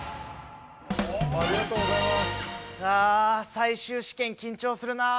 あ最終試験緊張するな。